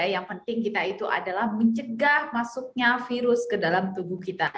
yang penting kita itu adalah mencegah masuknya virus ke dalam tubuh kita